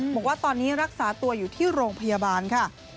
บอกว่าตอนนี้รักษาตัวอยู่ที่โรงพยาบาลค่ะ